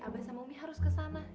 abah sama umi harus kesana